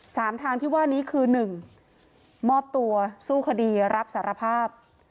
ทางที่ว่านี้คือหนึ่งมอบตัวสู้คดีรับสารภาพ